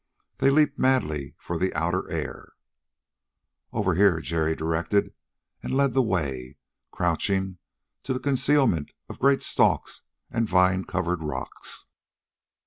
They leaped madly for the outer air. "Over here," Jerry directed, and led the way, crouching, to the concealment of great stalks and vine covered rocks.